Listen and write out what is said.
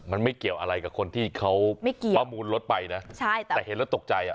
มันไม่เกี่ยวอะไรกับคนที่เขาประมูลรถไปนะใช่แต่เห็นแล้วตกใจอ่ะ